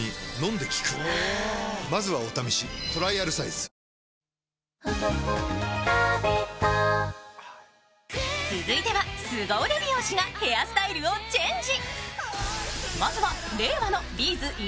生しょうゆはキッコーマン続いてはすご腕美容師がヘアスタイルをチェンジ